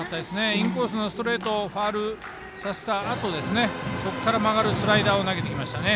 インコースのストレートをファウルさせたあとそこから曲がるスライダーを投げてきましたね。